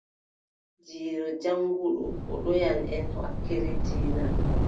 Jiire jaŋnguɗo, o ɗowan en wakkeere diina.